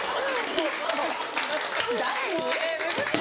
誰に？